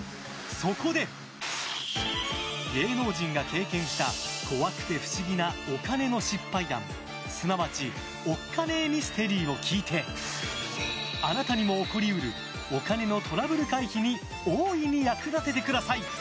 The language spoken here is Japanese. そこで芸能人が経験した怖くて不思議なお金の失敗談、すなわちおっカネミステリーを聞いてあなたにも起こり得るお金のトラブル回避に大いに役立ててください。